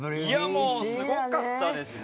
もうすごかったですね！